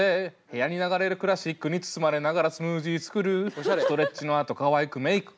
「部屋に流れるクラシックに包まれながらスムージー作る」「ストレッチのあと可愛くメイク